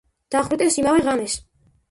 დახვრიტეს იმავე ღამეს.